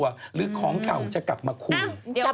เมื่อกี้เป็นหายทองแกลว